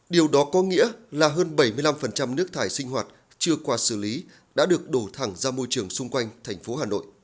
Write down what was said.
điều đó có nghĩa là hơn bảy mươi năm nước thải sinh hoạt chưa qua xử lý đã được đổ thẳng ra môi trường xung quanh thành phố hà nội